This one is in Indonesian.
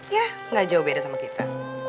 ya gak jauh beda sama kita